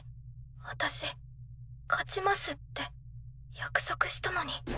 私勝ちますって約束したのに。